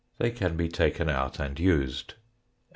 They can be taken out and used.